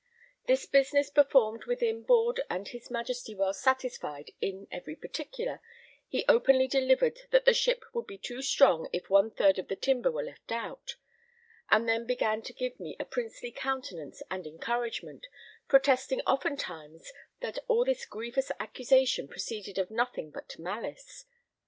This business performed within board and his Majesty well satisfied in every particular, he openly delivered that the ship would be too strong if one third of the timber were left out; and then began to give me a princely countenance and encouragement, protesting oftentimes that all this grievous accusation proceeded of nothing but malice.